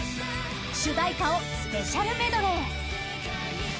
主題歌をスペシャルメドレー。